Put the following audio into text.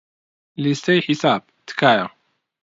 لیستەی حساب، تکایە.